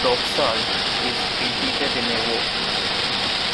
Rock salt is preheated in a wok.